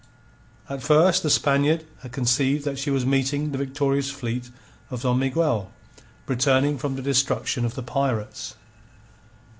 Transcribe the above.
At first the Spaniard had conceived that she was meeting the victorious fleet of Don Miguel, returning from the destruction of the pirates.